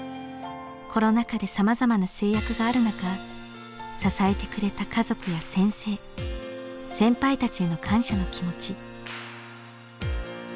コロナ禍でさまざまな制約がある中支えてくれた家族や先生先輩たちへの感謝の気持ち。